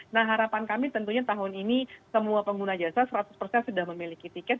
nah harapan kami tentunya tahun ini semua pengguna jasa seratus persen sudah memiliki tiket